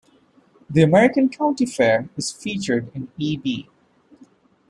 The American county fair is featured in E. B.